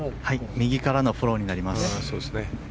右からのフォローになります。